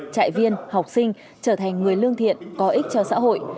trại viên học sinh trở thành người lương thiện có ích cho xã hội